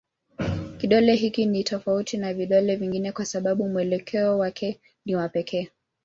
Kidole hiki ni tofauti na vidole vingine kwa sababu mwelekeo wake ni wa pekee.